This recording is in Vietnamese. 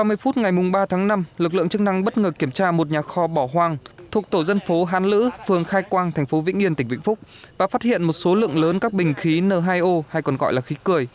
vào lúc một mươi tám h ba mươi phút ngày ba tháng năm lực lượng chức năng bất ngờ kiểm tra một nhà kho bỏ hoang thuộc tổ dân phố hán lữ phường khai quang thành phố vĩnh yên tỉnh vĩnh phúc và phát hiện một số lượng lớn các bình khí n hai o hay còn gọi là khí cửa